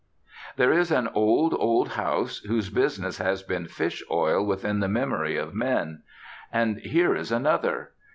There is an old, old house whose business has been fish oil within the memory of men. And here is another.